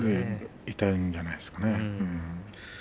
痛いんじゃないでしょうかね。